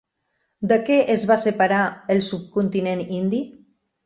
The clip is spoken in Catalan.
De què es va separar el subcontinent indi?